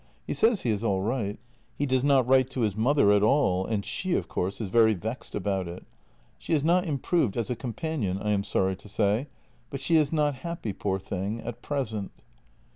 He says he is all right. He does not write to his mother at all, and she, of course, is very vexed about it. She has not improved as a companion, I am sorry to say, but she is not happy, poor thing, at present."